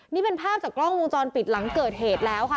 นี่เป็นภาพจากกล้องวงจรปิดหลังเกิดเหตุแล้วค่ะ